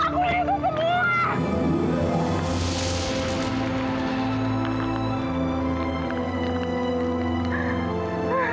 aku lupain harga diri aku semua